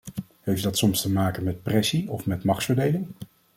Heeft dat soms te maken met pressie of met machtsverdeling?